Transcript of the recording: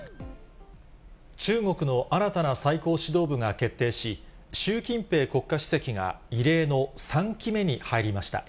中国の新たな最高指導部が決定し、習近平国家主席が異例の３期目に入りました。